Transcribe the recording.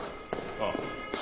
ああ。